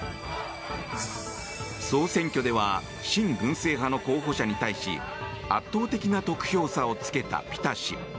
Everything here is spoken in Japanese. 総選挙では親軍政派の候補者に対し圧倒的な得票差をつけたピタ氏。